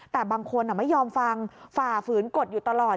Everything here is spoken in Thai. แต่บางคนไม่ยอมฟังฝ่าฝืนกฎอยู่ตลอด